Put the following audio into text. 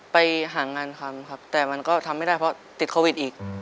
ไปหางานทำครับแต่มันก็ทำไม่ได้เพราะติดโควิดอีก